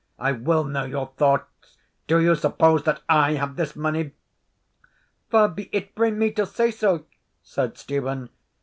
I will know your thoughts; do you suppose that I have this money?" "Far be it frae me to say so," said Stephen.